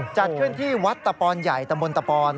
จัดขึ้นที่วัดตะปอนใหญ่ตำบลตะปอน